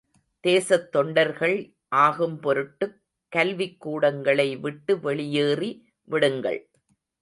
தேசத் தொண்டர்கள் ஆகும் பொருட்டுக் கல்விக்கூடங்களை விட்டு வெளியேறி விடுங்கள்.